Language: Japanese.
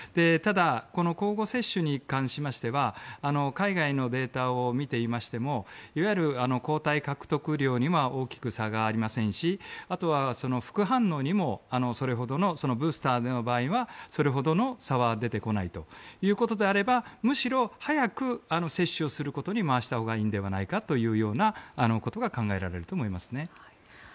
ただ、この交互接種に関しては海外のデータを見ていましてもいわゆる抗体獲得量には大きな差がありませんしあとは副反応にもブースターの場合はそれほどの差は出てこないということであればむしろ、早く接種をすることに回したほうがいいんではないかということが考えられると思いますね。